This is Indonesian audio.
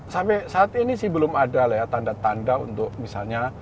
sampai saat ini belum ada tanda tanda untuk misalnya